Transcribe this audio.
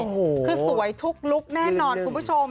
โอ้โหคือสวยทุกลุคแน่นอนคุณผู้ชม